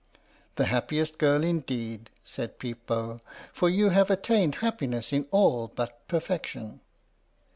" The happiest girl indeed," said Peep Bo, " for you have attained happiness in all but perfection."